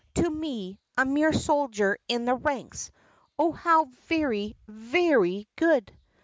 To me — a mere soldier in the ranks. Oh, how very, very good!"